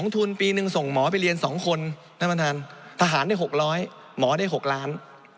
ทุนปีหนึ่งส่งหมอไปเรียน๒คนท่านประธานทหารได้๖๐๐หมอได้๖ล้าน